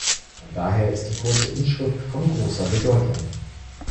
Von daher ist die kurze Inschrift von großer Bedeutung.